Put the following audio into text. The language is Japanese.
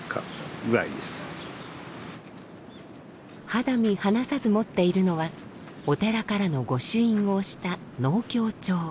肌身離さず持っているのはお寺からの御朱印を押した納経帳。